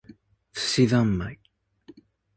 寿司ざんまい